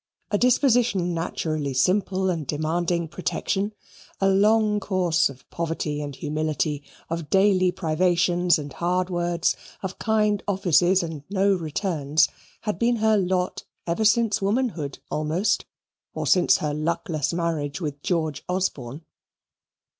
A disposition naturally simple and demanding protection; a long course of poverty and humility, of daily privations, and hard words, of kind offices and no returns, had been her lot ever since womanhood almost, or since her luckless marriage with George Osborne.